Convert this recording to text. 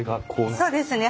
そうですね。